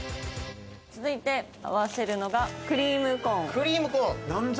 続いて合わせるのがクリームコーン。